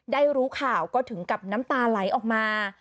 ได้รู้ข่าวก็ถึงกับน้ำตาไหลออกมา